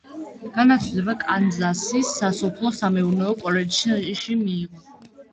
განათლება კანზასის სასოფლო-სამეურნეო კოლეჯში მიიღო.